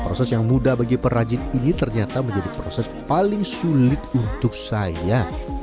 proses yang mudah bagi perajin ini ternyata menjadi proses paling sulit untuk saya